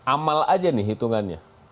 amal aja nih hitungannya